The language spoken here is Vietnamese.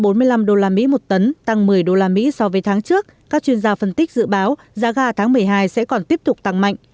với tăng bốn mươi năm đô la mỹ một tấn tăng một mươi đô la mỹ so với tháng trước các chuyên gia phân tích dự báo giá ga tháng một mươi hai sẽ còn tiếp tục tăng mạnh